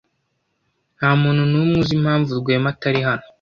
Ntamuntu numwe uzi impamvu Rwema atari hano.